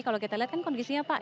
kalau kita lihat kan kondisinya pak